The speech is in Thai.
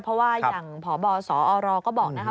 เพราะว่าอย่างพบสอรก็บอกนะคะ